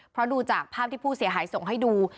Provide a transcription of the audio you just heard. เพราะดูจากภาพที่ผู้เสียหายส่งให้ดู